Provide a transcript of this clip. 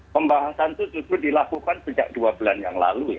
pembahasan itu sudah dilakukan sejak dua bulan yang lalu